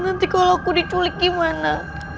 nanti kalau aku diculik gimana